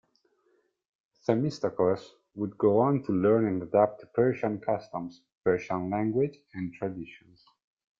Themistocles would go on to learn and adopt Persian customs, Persian language, and traditions.